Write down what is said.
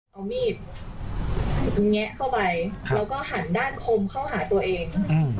เอามีดแงะเข้าไปแล้วก็หันด้านคมเข้าหาตัวเอง